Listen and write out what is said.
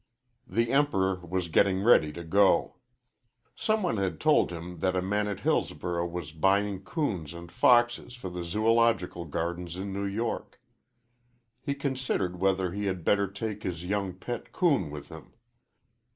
The Emperor was getting ready to go. Some one had told him that a man at Hillsborough was buying coons and foxes for the zoological gardens in New York. He considered whether he had better take his young pet coon with him.